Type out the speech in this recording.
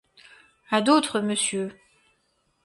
À d’autres, monsieur!